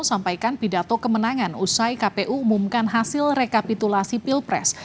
sampaikan pidato kemenangan usai kpu umumkan hasil rekapitulasi pilpres